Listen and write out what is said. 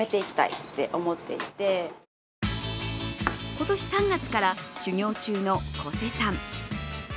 今年３月から修業中の小瀬さん。